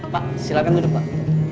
pak silahkan duduk pak